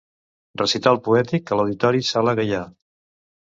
Recital poètic a l'Auditori Sala Gaià.